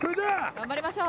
頑張りましょう！